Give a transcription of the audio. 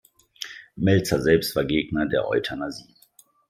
Meltzer selbst war Gegner der Euthanasie.